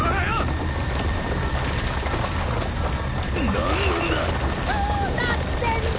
何なんだ！？